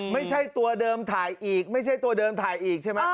ไม่ใช่ตัวเดิมถ่ายอีกไม่ใช่ตัวเดิมถ่ายอีกใช่ไหม